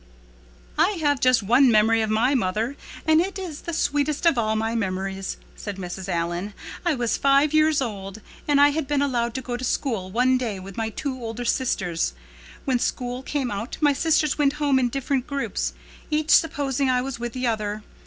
"I have just one memory of my mother and it is the sweetest of all my memories," said Mrs. Allan. "I was five years old, and I had been allowed to go to school one day with my two older sisters. When school came out my sisters went home in different groups, each supposing I was with the other.